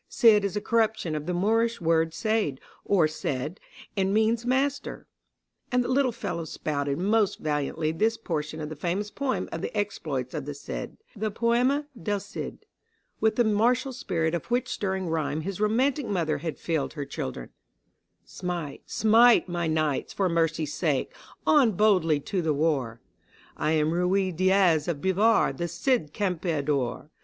Cid is a corruption of the Moorish word seyd or said, and means master. And the little fellow spouted most valiantly this portion of the famous poem of the exploits of the Cid (the Poema del Cid), with the martial spirit of which stirring rhyme his romantic mother had filled her children: "Smite, smite, my knights, for mercy's sake on boldly to the war; I am Ruy Diaz of Bivar, the Cid Campeador!